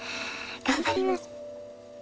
頑張ります。